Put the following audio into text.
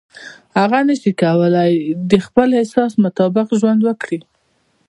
هغه نشي کولای د خپل احساس مطابق ژوند وکړي.